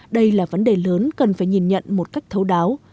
đây là vấn đề lớn cần phải nhìn nhận một cách thấu đáo